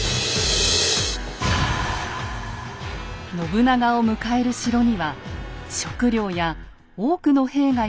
信長を迎える城には食料や多くの兵が休む場所があります。